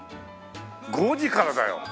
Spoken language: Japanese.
５時からだよ。